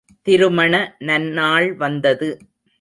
திருமண நன்னாள் வந்தது.